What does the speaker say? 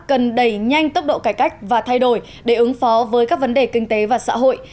cần đẩy nhanh tốc độ cải cách và thay đổi để ứng phó với các vấn đề kinh tế và xã hội